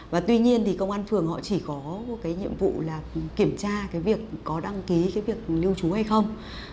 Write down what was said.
và tuy nhiên thì công an phường họ chỉ có cái nhiệm vụ là kiểm tra cái việc có đăng ký cái việc lưu trú hay không